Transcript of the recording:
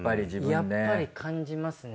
やっぱり感じますね。